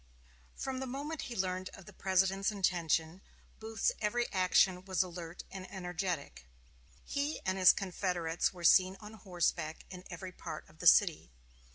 From the moment he learned of the President's intention, Booth's every action was alert and energetic. He and his confederates were seen on horseback in every part of the city.